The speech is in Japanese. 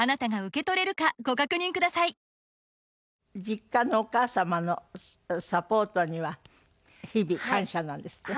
実家のお母様のサポートには日々感謝なんですって？